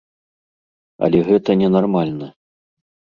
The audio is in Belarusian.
Але гэта не нармальна.